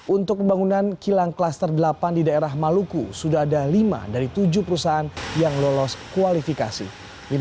untuk pembangunan kilang klaster delapan di daerah maluku sudah ada lima dari tujuh perusahaan yang lolos kualifikasi